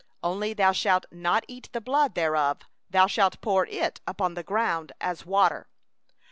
23Only thou shalt not eat the blood thereof; thou shalt pour it out upon the ground as water.